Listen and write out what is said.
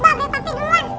mbak be papi luar